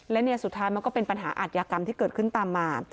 และเนี่ยสุดท้ายมันก็เป็นปัญหาอาทยากรรมที่เกิดขึ้นตามมา